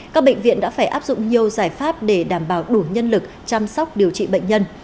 các bệnh viện đã phải áp dụng nhiều giải pháp để đảm bảo đủ nhân lực chăm sóc điều trị bệnh nhân